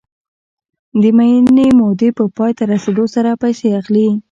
د معینې مودې په پای ته رسېدو سره پیسې اخلي